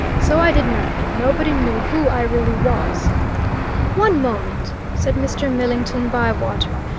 So I did nothing; nobody knew who I really was " "One moment!" said Mr. Millington Bywater.